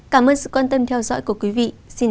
cảm ơn các bạn đã theo dõi